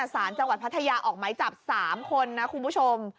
สารจังหวัดพัทยาออกไม้จับ๓คนนะคุณผู้ชม